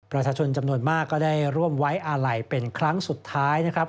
ประชาชนจำนวนมากก็ได้ร่วมไว้อาลัยเป็นครั้งสุดท้ายนะครับ